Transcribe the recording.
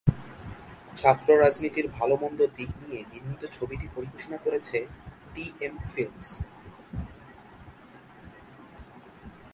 ছাত্র রাজনীতির ভালো-মন্দ দিক নিয়ে নির্মিত ছবিটি পরিবেশনা করেছে ডি এম ফিল্মস।